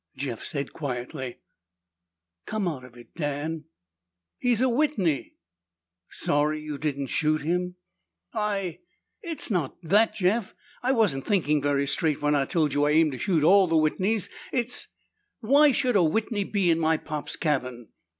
Jeff said quietly, "Come out of it, Dan." "He's a Whitney!" "Sorry you didn't shoot him?" "I It's not that, Jeff. I wasn't thinking very straight when I told you I aimed to shoot all the Whitneys. It's Why should a Whitney be in my pop's cabin?"